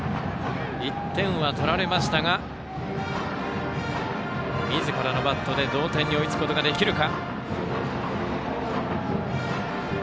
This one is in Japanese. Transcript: １点は取られましたがみずからのバットで同点に追いつくことができるか。